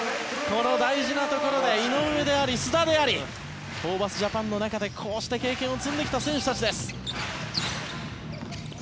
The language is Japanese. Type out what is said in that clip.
この大事なところで井上であり、須田でありホーバスジャパンの中でこうした経験を積んできた選手です。